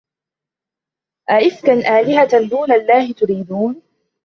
أَئِفكًا آلِهَةً دونَ اللَّهِ تُريدونَ